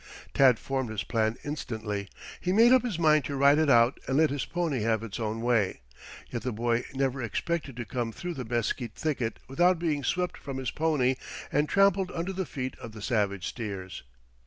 Tad formed his plan instantly. He made up his mind to ride it out and let his pony have its own way. Yet the boy never expected to come through the mesquite thicket without being swept from his pony and trampled under the feet of the savage steers.